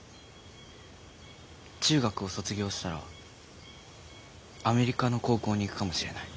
中学を卒業したらアメリカの高校に行くかもしれない。